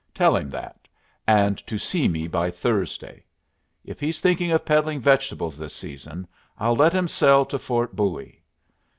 Tell him that, and to see me by Thursday. If he's thinking of peddling vegetables this season I'll let him sell to Fort Bowie.